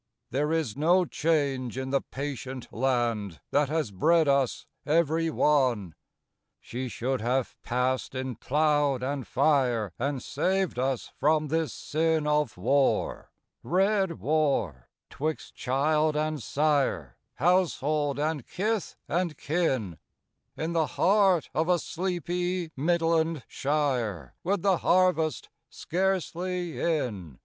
There is no change in the patient land That has bred us every one. She should have passed in cloud and fire And saved us from this sin Of war — red Avar — 'twixt child and sire, Household and kith and kin, In the heart of a sleepy Midland shire, With the harvest scarcely in.